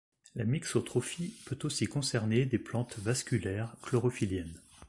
La mixotrophie peut aussi concerner des plantes vasculaires chlorophylliennes.